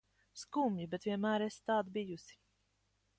Skumji, bet vienmēr esi tāda bijusi.